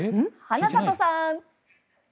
花里さん。